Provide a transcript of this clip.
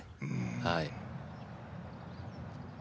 はい。